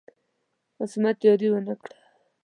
قسمت یاري ونه کړه.